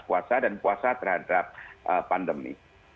puasa dan puasa terhadap pandemi